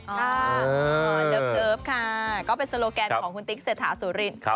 ค่ะเจิฟค่ะก็เป็นโซโลแกนของคุณติ๊กเศรษฐาสุรินทร์